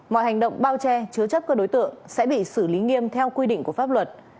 mọi hành động bao che chứa chấp các đối tượng sẽ bị xử lý nghiêm theo quy định của pháp luật